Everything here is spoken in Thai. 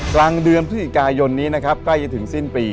กลางเดือนพฤศจิกายนนี้นะครับใกล้จะถึงสิ้นปี